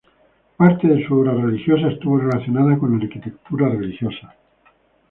Parte de su obra religiosa estuvo relacionada con arquitectura religiosa.